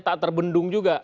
tak terbendung juga